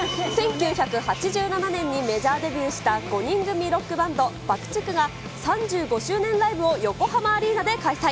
１９８７年にメジャーデビューした５人組ロックバンド、バクチクが、３５周年ライブを横浜アリーナで開催。